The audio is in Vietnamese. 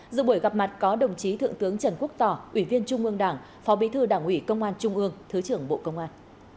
dự buổi gặp mặt có đồng chí thượng tướng trần quốc tỏ ủy viên trung ương đảng phó bí thư đảng ủy công an trung ương thứ trưởng bộ công an